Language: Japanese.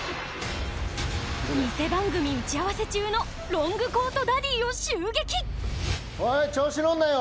ニセ番組打ち合わせ中のロングコートダディを襲撃